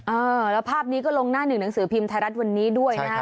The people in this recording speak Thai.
เออแล้วภาพนี้ก็ลงหน้าหนึ่งหนังสือพิมพ์ไทยรัฐวันนี้ด้วยนะครับ